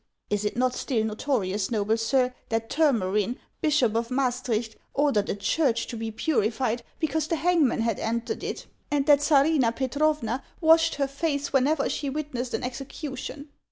Is it not still notorious, noble sir, that Turmeryn, bishop of Maastricht, ordered a church to be HANS OF ICELAND. 179 purified because the hangman had entered it; and that Czarina Petrowua washed her face whenever she witnessed an execution